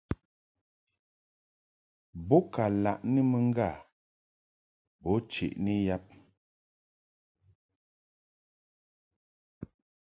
Bo ka laʼni ŋgâ bo cheʼni yab.